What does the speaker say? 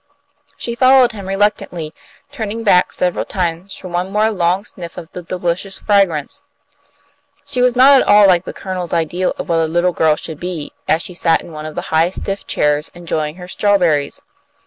She followed him reluctantly, turning back several times for one more long sniff of the delicious fragrance. She was not at all like the Colonel's ideal of what a little girl should be, as she sat in one of the high, stiff chairs, enjoying her strawberries.